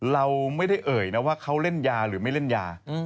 เราไม่ได้เอ่ยนะว่าเขาเล่นยาหรือไม่เล่นยา